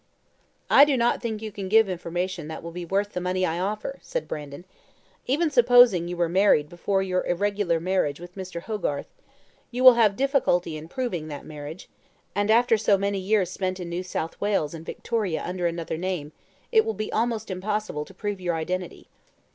"I do not think you can give information that will be worth the money I offer," said Brandon. "Even supposing you were married before your irregular marriage with Mr. Hogarth, you will have difficulty in proving that marriage; and after so many years spent in New South Wales and Victoria under another name, it will be almost impossible to prove your identity."